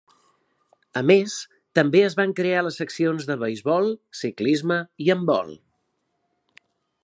A més, també es van crear les seccions de beisbol, ciclisme i handbol.